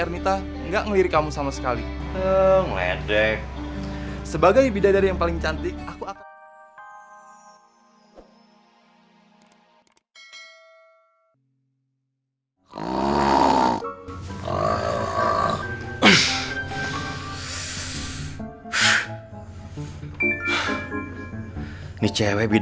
misi yang dikasih sama bunda tuh berat banget